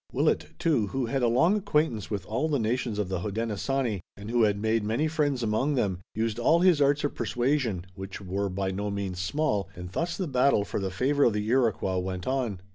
Willet, too, who had a long acquaintance with all the nations of the Hodenosaunee, and who had many friends among them, used all his arts of persuasion, which were by no means small, and thus the battle for the favor of the Iroquois went on.